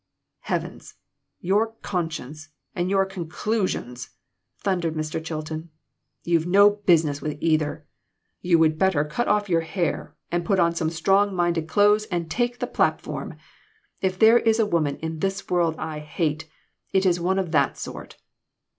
"Heavens! Your 'conscience' and your 'con clusions'!" thundered Mr. Chilton ; "you've no business with either. You would better cut off your hair and put on some strong minded clothes FANATICISM. 331 and take the platform. If there is a woman in the world that I hate, it is one of that sort.